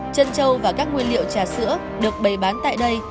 chân trâu và các nguyên liệu trà sữa được bày bán tại đây